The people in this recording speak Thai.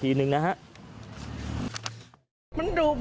คนที่ไม่เข้าแถวจะไม่ได้นะครับ